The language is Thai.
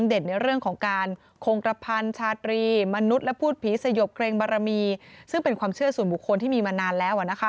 ในเรื่องของการคงกระพันชาตรีมนุษย์และพูดผีสยบเรงบารมีซึ่งเป็นความเชื่อส่วนบุคคลที่มีมานานแล้ว